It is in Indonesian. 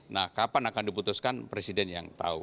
nah kapan akan diputuskan presiden yang tahu